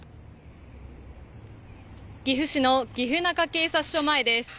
岐阜市の岐阜中警察署前です。